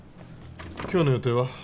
今日の予定は？